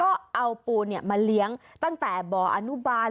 ก็เอาปูมาเลี้ยงตั้งแต่บ่ออนุบาล